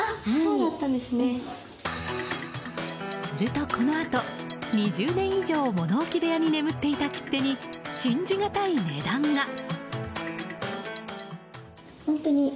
するとこのあと、２０年以上物置部屋に眠っていた切手に信じがたい値段が。